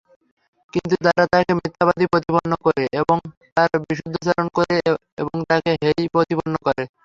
কিন্তু তারা তাকে মিথ্যাবাদী প্রতিপন্ন করে এবং তার বিরুদ্ধাচারণ করে এবং তাকে হেয়প্রতিপন্ন করে।